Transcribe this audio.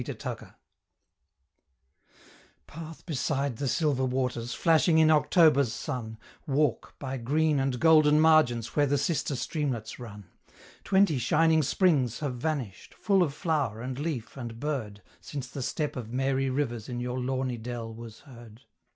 Mary Rivers Path beside the silver waters, flashing in October's sun Walk, by green and golden margins where the sister streamlets run Twenty shining springs have vanished, full of flower, and leaf, and bird, Since the step of Mary Rivers in your lawny dell was heard!